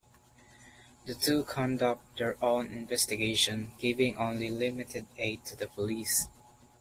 The two conduct their own investigation, giving only limited aid to the police.